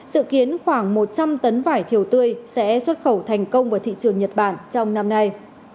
dự kiến khoảng một trăm linh tấn vải thiều tươi sẽ xuất khẩu thành công vào thị trường nhật bản trong năm nay